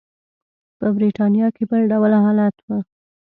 په برېټانیا کې بل ډول حالت و.